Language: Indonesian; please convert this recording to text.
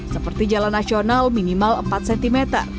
seperti jalan nasional minimal empat cm